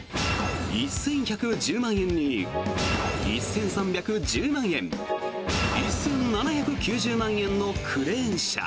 １１１０万円に１３１０万円１７９０万円のクレーン車。